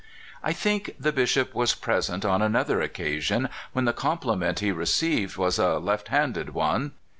I think the Bishop was present on another occa sion when the compliment he received was a left handed one.